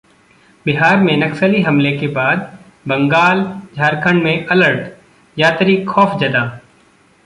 बिहार में नक्सली हमले के बाद बंगाल, झारखंड में अलर्ट, यात्री खौफजदा